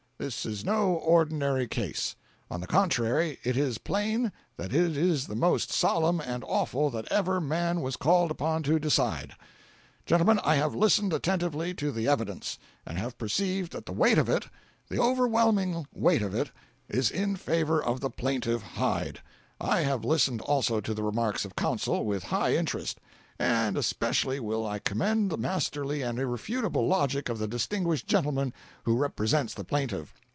This is no ordinary case. On the contrary it is plain that it is the most solemn and awful that ever man was called upon to decide. Gentlemen, I have listened attentively to the evidence, and have perceived that the weight of it, the overwhelming weight of it, is in favor of the plaintiff Hyde. I have listened also to the remarks of counsel, with high interest—and especially will I commend the masterly and irrefutable logic of the distinguished gentleman who represents the plaintiff.